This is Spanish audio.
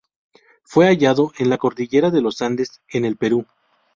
Fue hallado en la cordillera de Los Andes, en el Perú.